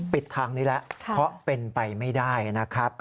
ปิดทางนี้แล้วเพราะเป็นไปไม่ได้นะครับ